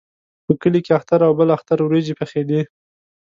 په کلي کې اختر او بل اختر وریجې پخېدې.